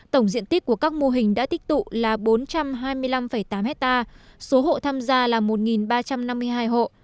tổng diện tích của các mô hình đã tích tụ là bốn trăm hai mươi năm tám hectare số hộ tham gia là một ba trăm năm mươi hai hộ